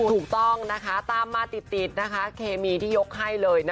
ถูกต้องนะคะตามมาติดนะคะเคมีที่ยกให้เลย